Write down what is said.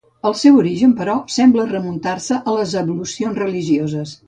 El seu origen, però, sembla remuntar-se a les ablucions religioses.